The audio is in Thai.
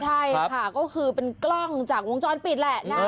ใช่ค่ะก็คือเป็นกล้องจากวงจรปิดแหละนะ